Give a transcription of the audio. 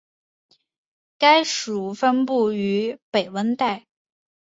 该属分布于北温带。